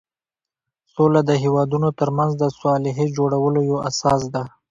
سوله د هېوادونو ترمنځ د صلحې جوړولو یوه اساس ده.